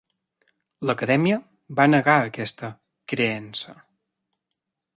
L'Acadèmia va negar aquesta "creença".